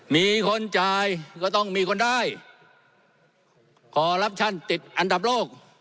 มีคนจ่ายก็ต้องมีคนได้คอรัปชั่นติดอันดับโลก